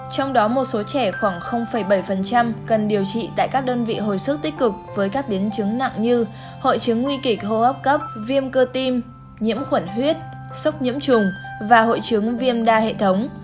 trong đó một số trẻ khoảng bảy cần điều trị tại các đơn vị hồi sức tích cực với các biến chứng nặng như hội chứng nguy kịch hô hấp cấp viêm cơ tim nhiễm khuẩn huyết sốc nhiễm trùng và hội chứng viêm đa hệ thống